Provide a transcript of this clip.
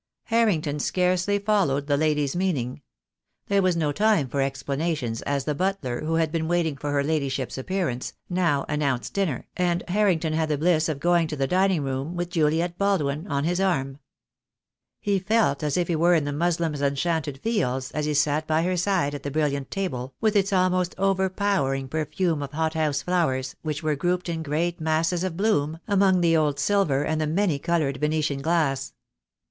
Harrington scarcely followed the lady's meaning. There was no time for explanations, as the butler, who had been waiting for her Ladyship's appearance, now announced dinner, and Harrington had the bliss of going to the dining room Avith Juliet Baldwin on his arm. He felt as if he were in the Moslem's enchanted fields as he sat by her side at the brilliant table, with its almost over powering perfume of hot house flowers, which were grouped in great masses of bloom among the old silver and the many coloured Venetian glass.